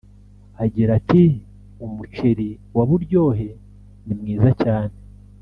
Agira ati “Umuceri wa Buryohe ni mwiza cyane